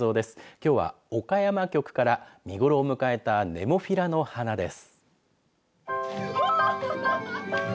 きょうは岡山局から見頃を迎えたネモフィラの花です。